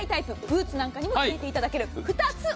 ブーツなんかにも入れていただける。